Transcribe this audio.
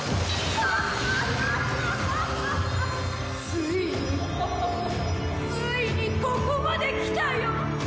ついについにここまできたよ！